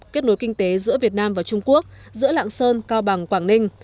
kết nối kinh tế giữa việt nam và trung quốc giữa lạng sơn cao bằng quảng ninh